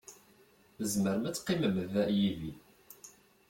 Tzemrem ad teqqimem da yid-i.